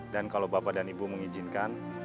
dan kalau bapak dan ibu mengizinkan